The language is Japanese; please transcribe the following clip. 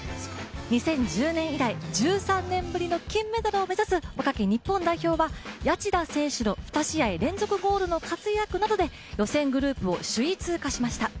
２０１０年以来１３年ぶりの金メダルを目指す若き日本代表は谷内田選手の２試合連続のゴールの活躍などで予選グループを首位通過しました。